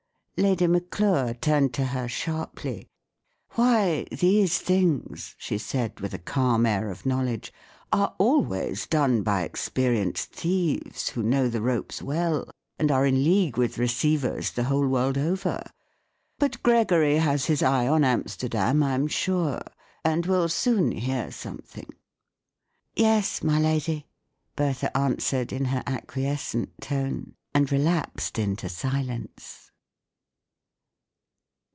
Lady Maclure turned to her sharply. "Why, these things," she said, with a calm air of knowledge, "are always done by ex¬ perienced thieves, who know the ropes well, and are in league with receivers the whole world over. But Gregory has his eye on Amsterdam, I'm sure, and we'll soon hear something." " Yes, my lady," Bertha answered, in her acquiescent tone, and relapsed into silence.